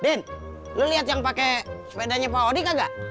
din lo liat yang pake sepedanya pak odi kagak